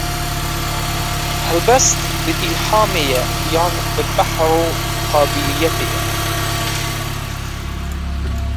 Helbest, bi îlhamê ye yan bi behr û qabîliyetê ye?